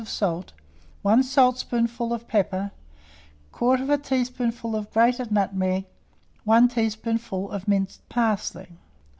of salt, 1 saltspoonful of pepper, 1/4 teaspoonful of grated nutmeg, 1 teaspoonful of minced parsley.